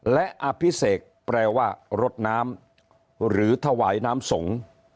และอภิเษกแปลว่ารดน้ำหรือถวายน้ำสงฆ์